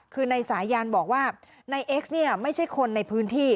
คือในสายยานบอกว่านายเอ็กซไม่ใช่คนในพื้นที่